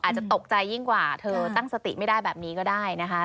อาจจะตกใจยิ่งกว่าเธอตั้งสติไม่ได้แบบนี้ก็ได้นะคะ